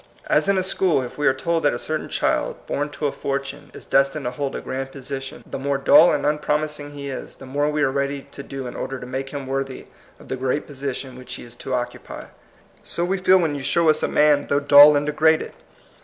As in a school, if we are told that a certain child, bom to a fortune, is des tined to hold a grand position, the more dull and unpromising he is, the more we are ready to do in order to make him worthy of the great position which he is to occupy; so we feel when you show us 140 THE COMING PEOPLE. a man, though dull and degraded.